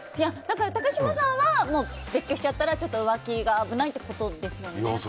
高嶋さんは別居しちゃったら浮気が危ないってことですよね。